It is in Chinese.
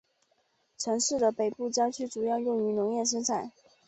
城市的北部郊区主要用于农业生产。